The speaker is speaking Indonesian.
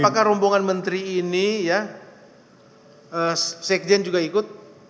apakah rombongan menteri ini ya sekjen juga ikut